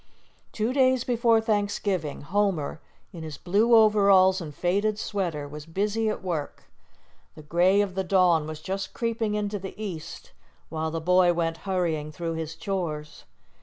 Two days before Thanksgiving, Homer, in his blue overalls and faded sweater, was busy at work. The gray of the dawn was just creeping into the east, while the boy went hurrying through his chores.